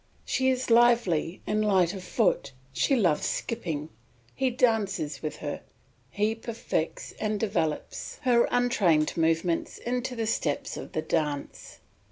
She is lively and light of foot, she loves skipping; he dances with her, he perfects and develops her untrained movements into the steps of the dance.